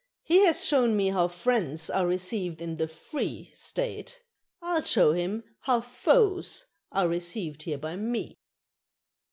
He has shown me how friends are received in the Free State; I'll show him how foes are received here by me.